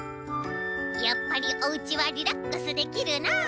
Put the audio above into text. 「やっぱりおうちはリラックスできるなあ」。